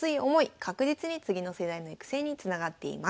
確実に次の世代の育成につながっています。